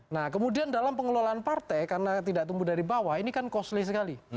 nah kemudian dalam pengelolaan partai karena tidak tumbuh dari bawah ini kan costly sekali